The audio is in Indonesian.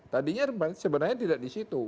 tadinya sebenarnya tidak di situ